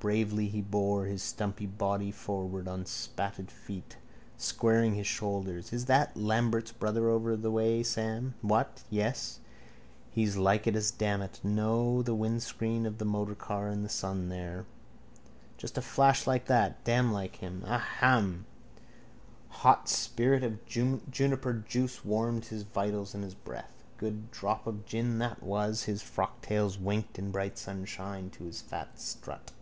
Bravely he bore his stumpy body forward on spatted feet, squaring his shoulders. Is that Ned Lambert's brother over the way, Sam? What? Yes. He's as like it as damn it. No. The windscreen of that motorcar in the sun there. Just a flash like that. Damn like him. Aham! Hot spirit of juniper juice warmed his vitals and his breath. Good drop of gin, that was. His frocktails winked in bright sunshine to his fat strut.